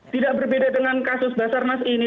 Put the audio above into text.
tidak berbeda dengan kasus basarnas ini